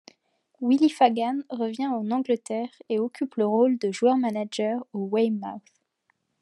Willie Fagan revient en Angleterre et occupe le rôle de joueur-manager au Weymouth.